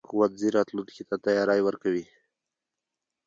ښوونځی راتلونکي ته تیاری ورکوي.